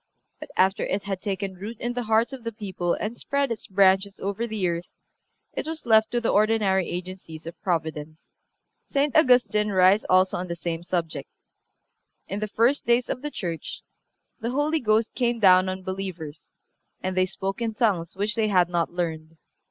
But after it had taken root in the hearts of the people and spread its branches over the earth it was left to the ordinary agencies of Providence. St. Augustine writes also on the same subject: "In the first days (of the Church) the Holy Ghost came down on believers, and they spoke in tongues which they had not learned....